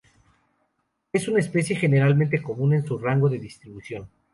Es una especie generalmente común en su rango de distribución.